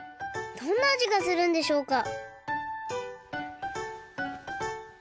どんなあじがするんでしょうか？